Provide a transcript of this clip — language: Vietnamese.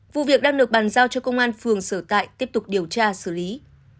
vụ việc đang được bàn giao cho công an phường sở tại tiếp tục điều tra xử lý